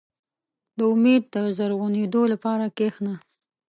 • د امید د زرغونېدو لپاره کښېنه.